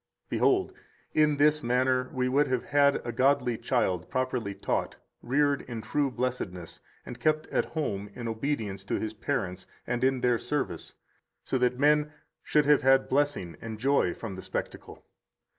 114 Behold, in this manner we would have had a godly child properly taught, reared in true blessedness, and kept at home in obedience to his parents and in their service, so that men should have had blessing and joy from the spectacle.